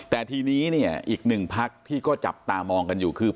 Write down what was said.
แต่ทีนี้เนี่ยอีกหนึ่งพักที่ก็จับตามองกันอยู่คือ